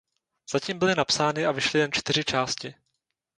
Zatím byly napsány a vyšly jen čtyři části.